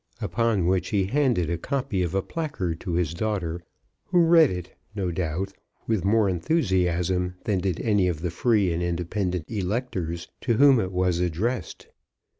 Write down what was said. Upon which he handed a copy of a placard to his daughter, who read it, no doubt, with more enthusiasm than did any of the free and independent electors to whom it was addressed.